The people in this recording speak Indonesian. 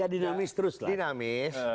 dinamis terus lah